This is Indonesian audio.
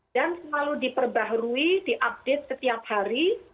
dan selalu diperbaharui diupdate setiap hari